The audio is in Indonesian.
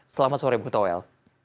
selamat sore bu toel